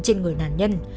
trên người nạn nhân